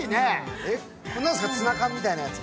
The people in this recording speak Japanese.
何ですか、ツナ缶みたいなやつ。